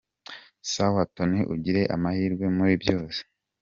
Sawa Tony ugire amahirwe muri byose.